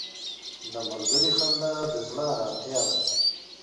• د ملګري خندا د زړه ارامتیا ده.